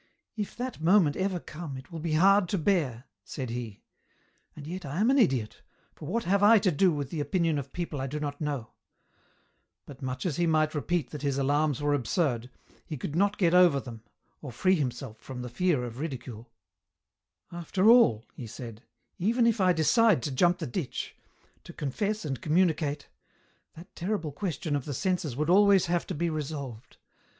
" If that moment ever come it will be hard to bear," said he ;" and yet I am an idiot, for what have I to do with the opinion of people I do not know ?" but much as he might EN ROUTE. 35 repeat that his alarms were absurd, he could not get over them, or free himself from the fear of ridicule. " After all," he said, " even if I decide to jump the ditch, to confess and communicate, that terrible question of the senses would always have to be resolved.